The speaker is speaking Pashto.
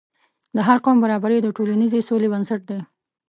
د هر قوم برابري د ټولنیزې سولې بنسټ دی.